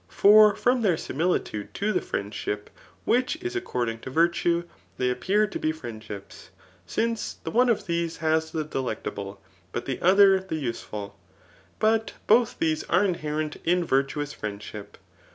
For from their similitude to the friendship which is ac cording to virtue, they appear to be friendships ; since the one of these has the delectable, but the other the us^l. But. both these are inherent in virtuous friend ship.